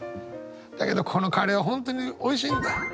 だけどこのカレーは本当に美味しいんだ。